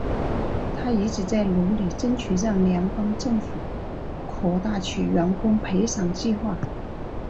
她一直在努力争取让联邦政府扩大其员工赔偿计划。